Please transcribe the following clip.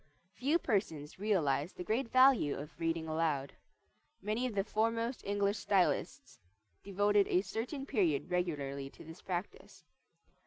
Few persons realize the great value of reading aloud. Many of the foremost English stylists devoted a certain period regularly to this practise.